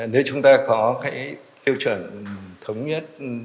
nếu chúng ta có cái tiêu chuẩn thống nhất